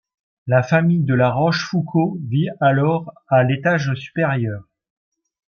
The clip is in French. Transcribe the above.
La famille de La Rochefoucauld vit alors à l'étage supérieur.